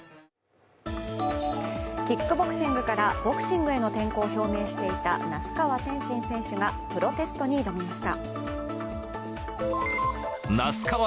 キックボクシングからボクシングへの転向を表明していた那須川天心選手がプロテストに挑みました。